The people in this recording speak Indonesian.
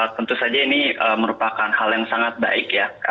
tentu saja ini merupakan hal yang sangat baik ya